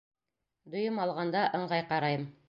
— Дөйөм алғанда, ыңғай ҡарайым.